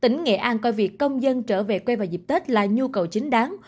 nghệ an coi việc công dân trở về quê và dịp tết là nhu cầu chính đáng